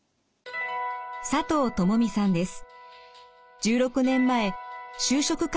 佐藤朋美さんです。